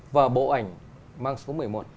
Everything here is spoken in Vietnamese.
và bộ ảnh mang số một mươi một